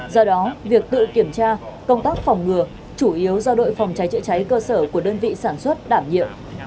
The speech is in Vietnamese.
do đó việc tự kiểm tra công tác phòng ngừa chủ yếu do đội phòng cháy chữa cháy cơ sở của đơn vị sản xuất đảm nhiệm